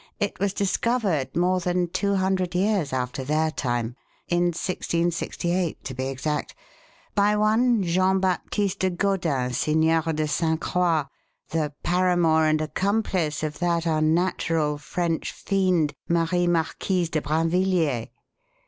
"It was discovered more than two hundred years after their time in 1668, to be exact by one Jean Baptiste de Gaudin, Signeur de St. Croix, the paramour and accomplice of that unnatural French fiend, Marie Marquise de Brinvilliers.